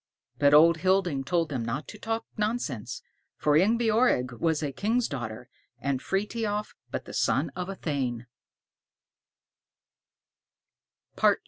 But Old Hilding told them not to talk nonsense, for Ingebjorg was a king's daughter, and Frithiof but the son of a thane.